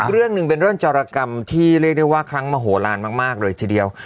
เรื่องหนึ่งเป็นเรื่องจรกรรมที่เรียกได้ว่าครั้งมโหลานมากเลยทีเดียว